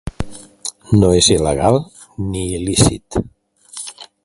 No és il·legal ni il·lícit